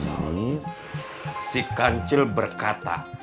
saya akan menghitung dulu jumlahnya